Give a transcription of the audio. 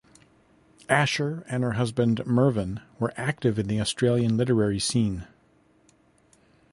Asher and her husband Mervyn were active in the Australian literary scene.